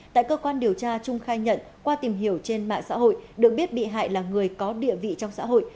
tại cơ quan điều tra trung khai nhận qua tìm hiểu trên mạng xã hội được biết bị hại là người có địa vị trong xã hội